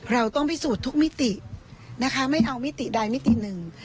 เราต้องพิสูจน์ทุกมิตินะคะไม่เอามิติใดมิติหนึ่ง